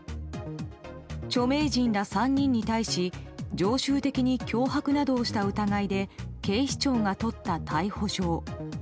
著名人ら３人に対し常習的に脅迫などをした疑いで警視庁が取った逮捕状。